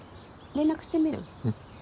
連絡してみる？